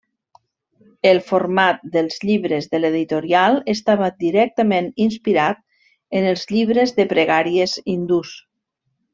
El format dels llibres de l'editorial estava directament inspirat en els llibres de pregàries hindús.